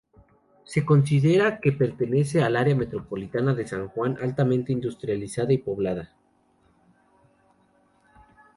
Se considera que pertenece al área metropolitana de San Juan, altamente industrializada y poblada.